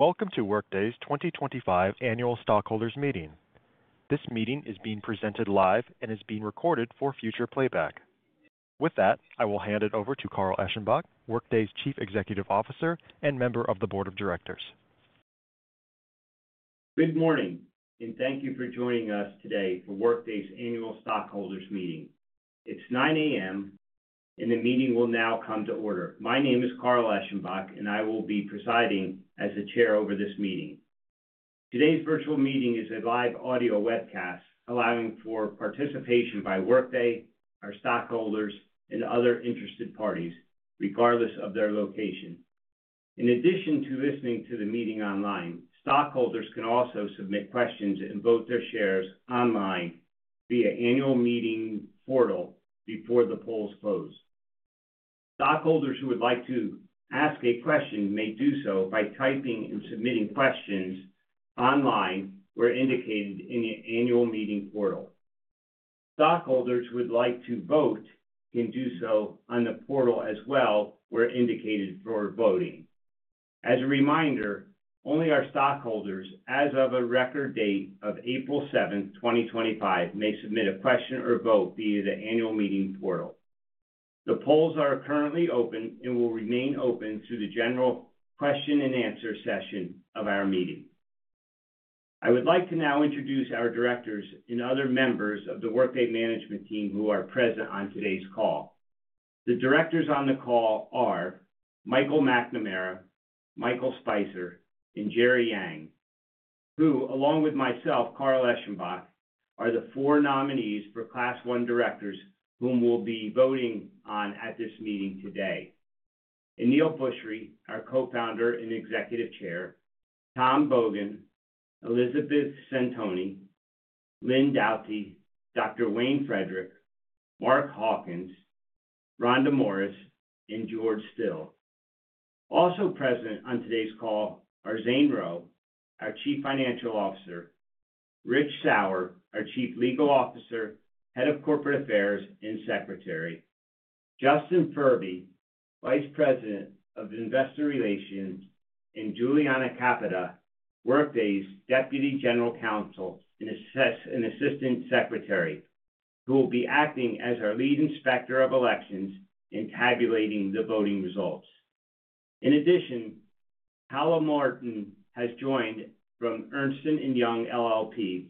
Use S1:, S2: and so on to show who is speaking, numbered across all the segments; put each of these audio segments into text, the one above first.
S1: Welcome to Workday's 2025 Annual Stockholders Meeting. This meeting is being presented live and is being recorded for future playback. With that, I will hand it over to Carl Eschenbach, Workday's Chief Executive Officer and member of the Board of Directors.
S2: Good morning, and thank you for joining us today for Workday's Annual Stockholders Meeting. It's 9:00 A.M., and the meeting will now come to order. My name is Carl Eschenbach, and I will be presiding as the chair over this meeting. Today's virtual meeting is a live audio webcast allowing for participation by Workday, our stockholders, and other interested parties, regardless of their location. In addition to listening to the meeting online, stockholders can also submit questions and vote their shares online via the Annual Meeting portal before the polls close. Stockholders who would like to ask a question may do so by typing and submitting questions online where indicated in the Annual Meeting portal. Stockholders who would like to vote can do so on the portal as well where indicated for voting. As a reminder, only our stockholders, as of the record date of April 7, 2025, may submit a question or vote via the Annual Meeting portal. The polls are currently open and will remain open through the general question-and-answer session of our meeting. I would like to now introduce our directors and other members of the Workday management team who are present on today's call. The directors on the call are Michael McNamara, Michael Speiser, and Jerry Yang, who, along with myself, Carl Eschenbach, are the four nominees for Class 1 directors whom we'll be voting on at this meeting today. Aneel Bhusri, our Co-Founder and Executive Chair; Tom Bogan, Elizabeth Centoni, Lynne Doughtie, Dr. Wayne Frederick, Mark Hawkins, Rhonda Morris, and George Still. Also present on today's call are Zane Rowe, our Chief Financial Officer, Rich Sauer, our Chief Legal Officer, Head of Corporate Affairs and Secretary, Justin Furby, Vice President of Investor Relations, and Juliana Capata, Workday's Deputy General Counsel and Assistant Secretary, who will be acting as our lead inspector of elections and tabulating the voting results. In addition, Paula Martin has joined from Ernst & Young LLP,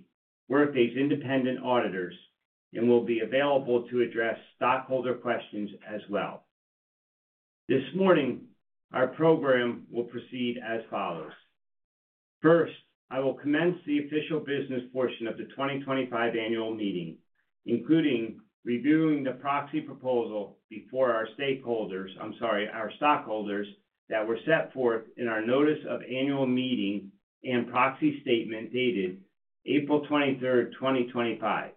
S2: Workday's independent auditors, and will be available to address stockholder questions as well. This morning, our program will proceed as follows. First, I will commence the official business portion of the 2025 Annual Meeting, including reviewing the proxy proposal before our stakeholders—I'm sorry, our stockholders—that were set forth in our Notice of Annual Meeting and Proxy Statement dated April 23, 2025.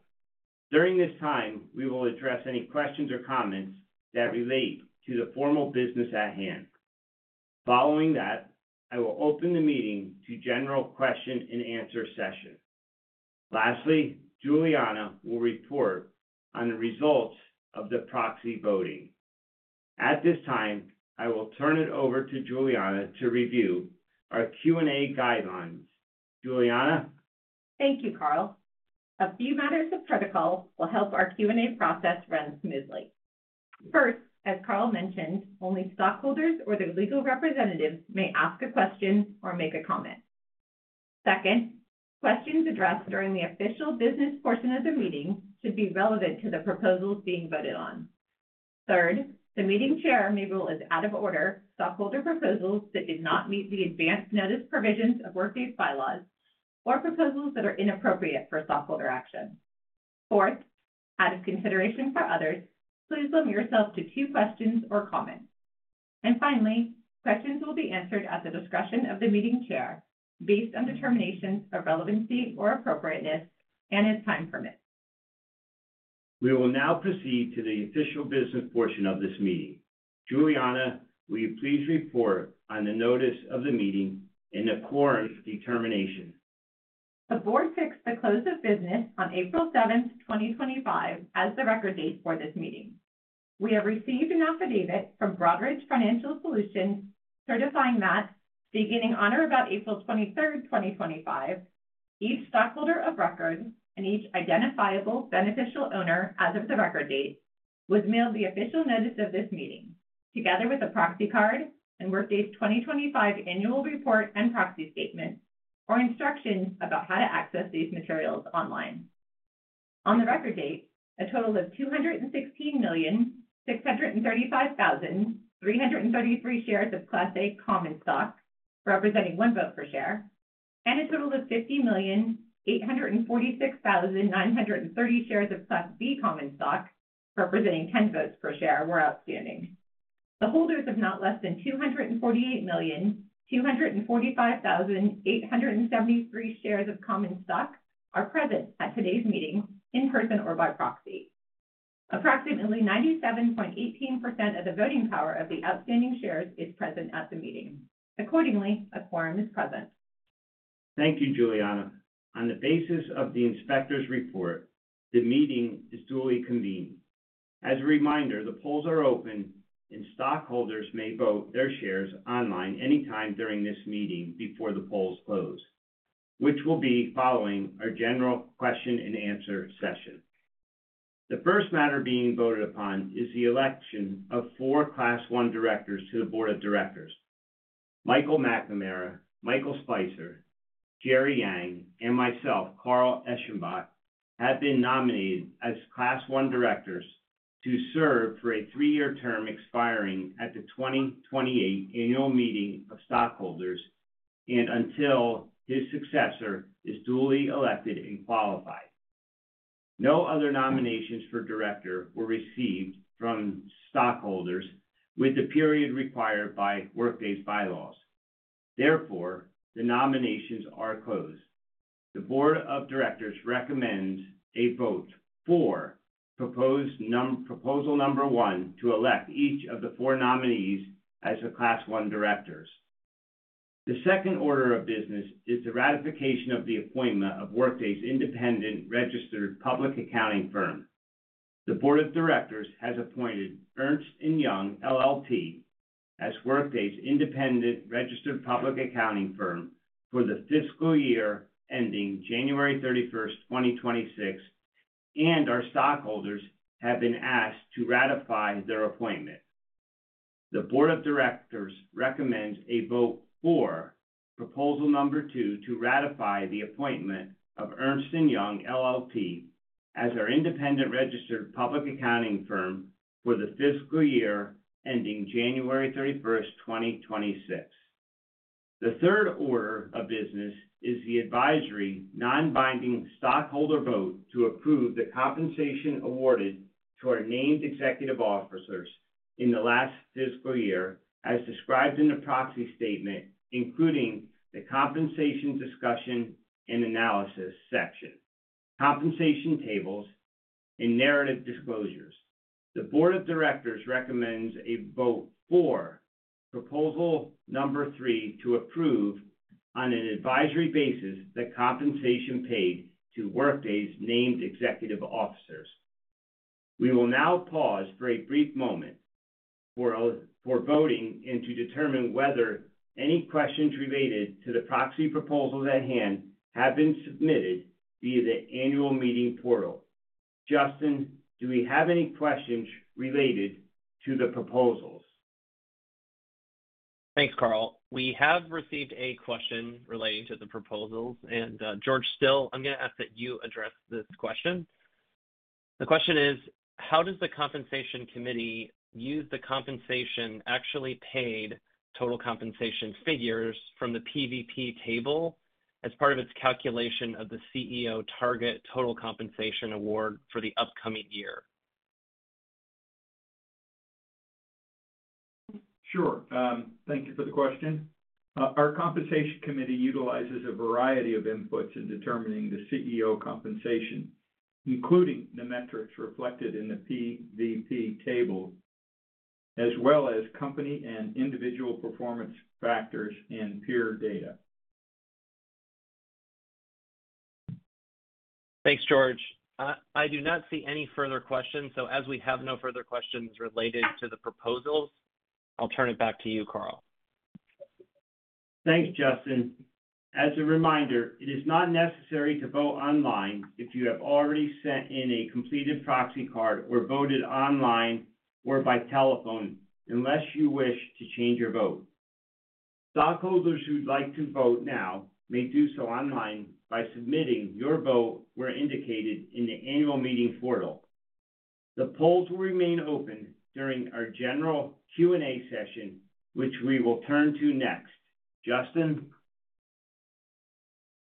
S2: During this time, we will address any questions or comments that relate to the formal business at hand. Following that, I will open the meeting to a general question-and-answer session. Lastly, Juliana will report on the results of the proxy voting. At this time, I will turn it over to Juliana to review our Q&A guidelines. Juliana?
S3: Thank you, Carl. A few matters of protocol will help our Q&A process run smoothly. First, as Carl mentioned, only stockholders or their legal representatives may ask a question or make a comment. Second, questions addressed during the official business portion of the meeting should be relevant to the proposals being voted on. Third, the meeting chair may rule as out of order stockholder proposals that did not meet the advance notice provisions of Workday's bylaws or proposals that are inappropriate for stockholder action. Fourth, out of consideration for others, please limit yourself to two questions or comments. Finally, questions will be answered at the discretion of the meeting chair based on determinations of relevancy or appropriateness and as time permits.
S2: We will now proceed to the official business portion of this meeting. Juliana, will you please report on the Notice of the Meeting and the quorum determination?
S3: The board fixed the close of business on April 7, 2025, as the record date for this meeting. We have received an affidavit from Broadridge Financial Solutions certifying that, beginning on or about April 23, 2025, each stockholder of record and each identifiable beneficial owner as of the record date was mailed the official notice of this meeting, together with a proxy card and Workday's 2025 Annual Report and Proxy Statement, or instructions about how to access these materials online. On the record date, a total of 216,635,333 shares of Class A common stock, representing one vote per share, and a total of 50,846,930 shares of Class B common stock, representing 10 votes per share, were outstanding. The holders of not less than 248,245,873 shares of common stock are present at today's meeting in person or by proxy. Approximately 97.18% of the voting power of the outstanding shares is present at the meeting. Accordingly, a quorum is present.
S2: Thank you, Juliana. On the basis of the inspector's report, the meeting is duly convened. As a reminder, the polls are open, and stockholders may vote their shares online anytime during this meeting before the polls close, which will be following our general question-and-answer session. The first matter being voted upon is the election of four Class 1 directors to the Board of Directors. Michael McNamara, Michael Speiser, Jerry Yang, and myself, Carl Eschenbach, have been nominated as Class 1 directors to serve for a three-year term expiring at the 2028 Annual Meeting of Stockholders and until his successor is duly elected and qualified. No other nominations for director were received from stockholders within the period required by Workday's bylaws. Therefore, the nominations are closed. The Board of Directors recommends a vote for Proposal Number One to elect each of the four nominees as the Class 1 directors. The second order of business is the ratification of the appointment of Workday's independent registered public accounting firm. The Board of Directors has appointed Ernst & Young LLP as Workday's independent registered public accounting firm for the fiscal year ending January 31, 2026, and our stockholders have been asked to ratify their appointment. The Board of Directors recommends a vote for Proposal Number Two to ratify the appointment of Ernst & Young LLP as our independent registered public accounting firm for the fiscal year ending January 31, 2026. The third order of business is the advisory non-binding stockholder vote to approve the compensation awarded to our named executive officers in the last fiscal year, as described in the proxy statement, including the compensation discussion and analysis section, compensation tables, and narrative disclosures. The Board of Directors recommends a vote for Proposal Number Three to approve on an advisory basis the compensation paid to Workday's named executive officers. We will now pause for a brief moment for voting and to determine whether any questions related to the proxy proposals at hand have been submitted via the Annual Meeting portal. Justin, do we have any questions related to the proposals?
S4: Thanks, Carl. We have received a question relating to the proposals. George Still, I'm going to ask that you address this question. The question is, how does the Compensation Committee use the compensation actually paid total compensation figures from the PVP table as part of its calculation of the CEO target total compensation award for the upcoming year?
S5: Sure. Thank you for the question. Our Compensation Committee utilizes a variety of inputs in determining the CEO compensation, including the metrics reflected in the PVP table, as well as company and individual performance factors and peer data.
S4: Thanks, George. I do not see any further questions. As we have no further questions related to the proposals, I'll turn it back to you, Carl.
S2: Thanks, Justin. As a reminder, it is not necessary to vote online if you have already sent in a completed proxy card or voted online or by telephone, unless you wish to change your vote. Stockholders who'd like to vote now may do so online by submitting your vote where indicated in the Annual Meeting portal. The polls will remain open during our general Q&A session, which we will turn to next. Justin?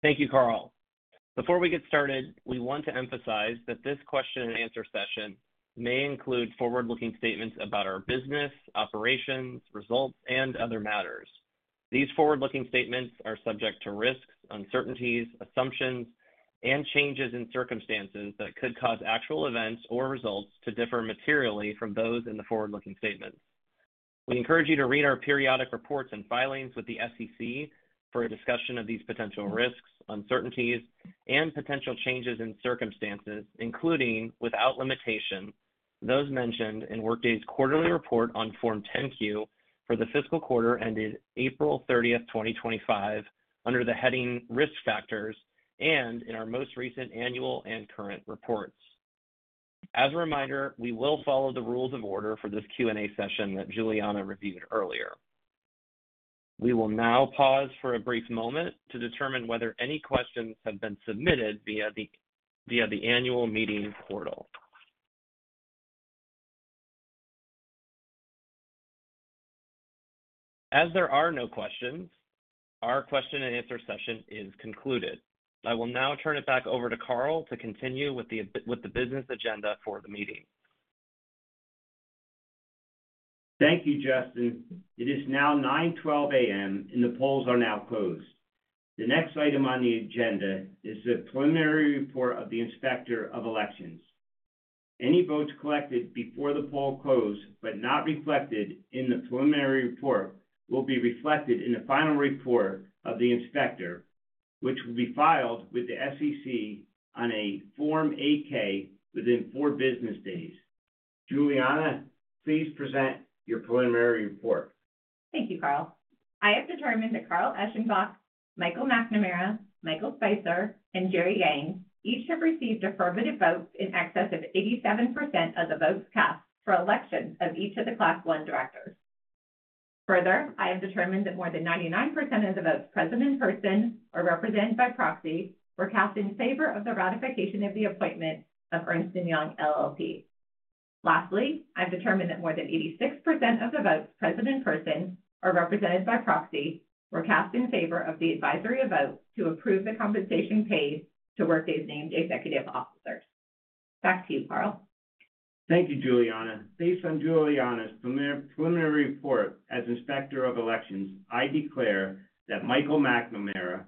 S4: Thank you, Carl. Before we get started, we want to emphasize that this question-and-answer session may include forward-looking statements about our business, operations, results, and other matters. These forward-looking statements are subject to risks, uncertainties, assumptions, and changes in circumstances that could cause actual events or results to differ materially from those in the forward-looking statements. We encourage you to read our periodic reports and filings with the SEC for a discussion of these potential risks, uncertainties, and potential changes in circumstances, including without limitation, those mentioned in Workday's quarterly report on Form 10-Q for the fiscal quarter ended April 30, 2025, under the heading Risk Factors and in our most recent annual and current reports. As a reminder, we will follow the rules of order for this Q&A session that Juliana reviewed earlier. We will now pause for a brief moment to determine whether any questions have been submitted via the Annual Meeting portal. As there are no questions, our question-and-answer session is concluded. I will now turn it back over to Carl to continue with the business agenda for the meeting.
S2: Thank you, Justin. It is now 9:12 A.M., and the polls are now closed. The next item on the agenda is the preliminary report of the inspector of elections. Any votes collected before the poll close but not reflected in the preliminary report will be reflected in the final report of the inspector, which will be filed with the SEC on a Form 8-K within four business days. Juliana, please present your preliminary report.
S3: Thank you, Carl. I have determined that Carl Eschenbach, Michael McNamara, Michael Speiser, and Jerry Yang each have received affirmative votes in excess of 87% of the votes cast for election of each of the Class 1 directors. Further, I have determined that more than 99% of the votes present in person or represented by proxy were cast in favor of the ratification of the appointment of Ernst & Young LLP. Lastly, I've determined that more than 86% of the votes present in person or represented by proxy were cast in favor of the advisory vote to approve the compensation paid to Workday's named executive officers. Back to you, Carl.
S2: Thank you, Juliana. Based on Juliana's preliminary report as inspector of elections, I declare that Michael McNamara,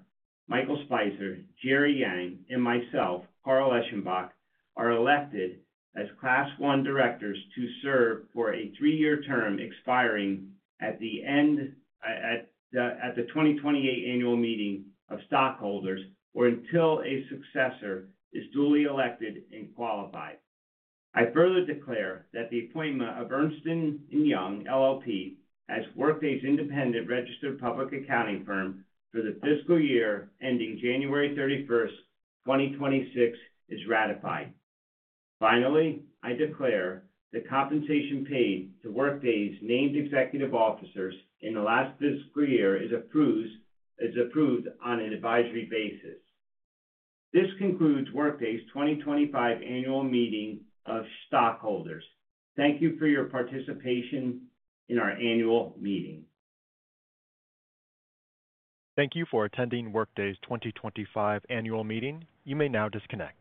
S2: Michael Speiser, Jerry Yang, and myself, Carl Eschenbach, are elected as Class 1 directors to serve for a three-year term expiring at the end of the 2028 Annual Meeting of Stockholders or until a successor is duly elected and qualified. I further declare that the appointment of Ernst & Young LLP as Workday's independent registered public accounting firm for the fiscal year ending January 31, 2026, is ratified. Finally, I declare the compensation paid to Workday's named executive officers in the last fiscal year is approved on an advisory basis. This concludes Workday's 2025 Annual Meeting of Stockholders. Thank you for your participation in our Annual Meeting.
S1: Thank you for attending Workday's 2025 Annual Meeting. You may now disconnect.